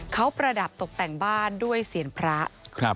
เขาประดับตกแต่งบ้านด้วยเสียงพระ